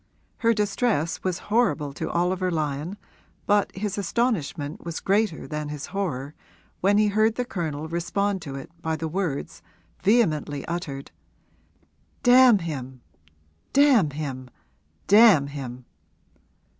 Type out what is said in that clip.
Her distress was horrible to Oliver Lyon but his astonishment was greater than his horror when he heard the Colonel respond to it by the words, vehemently uttered, 'Damn him, damn him, damn him!'